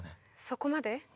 そこまで？